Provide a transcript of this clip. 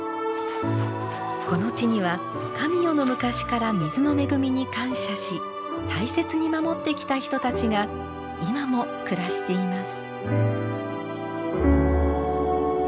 この地には神代の昔から水の恵みに感謝し大切に守ってきた人たちが今も暮らしています。